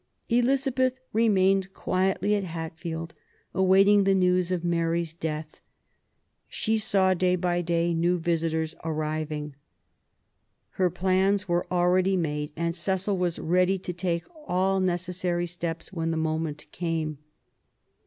Elizabeth remained quietly at Hatfield, awaiting the news of Mary'*s death. She saw, day by day, new visitors arriving. Her plans were already made, and Cecil was ready to take all necessary steps when the moment came.